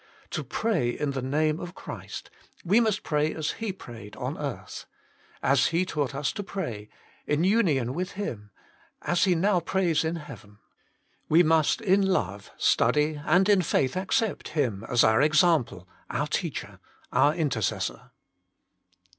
To pray in the Name of Christ we 10 132 THE MINISTRY OF INTERCESSION must pray as He prayed on earth ; as He taught us to pray ; in union with Him, as He now prays in heaven. We must in love study, and in faith accept, Him as our Example, our Teacher, our Intercessor.